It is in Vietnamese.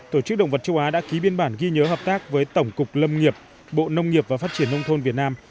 tổ chức động vật châu á đã ký biên bản ghi nhớ hợp tác với tổng cục lâm nghiệp bộ nông nghiệp và phát triển nông thôn việt nam